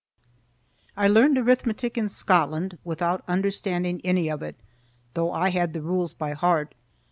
I learned arithmetic in Scotland without understanding any of it, though I had the rules by heart.